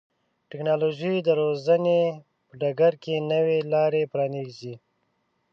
ټکنالوژي د روزنې په ډګر کې نوې لارې پرانیزي.